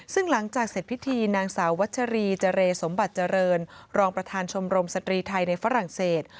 ซึ่งหลังจากเสร็จพิธีนางสาววัชรีเจรสมบัติเจริญรองประธานชมรมสตรีไทยในฝรั่งเศส